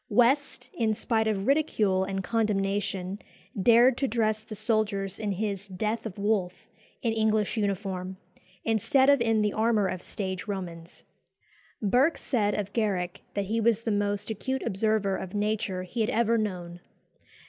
West, in spite of ridicule and condemnation, dared to dress the soldiers in his "Death of Wolfe" in English uniform, instead of in the armour of stage Romans. Burke said of Garrick that he was the most acute observer of nature he had ever known.